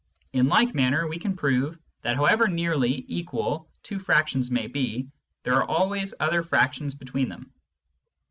In like manner we can prove that however nearly equal two fractions may be, there are always other fractions between them.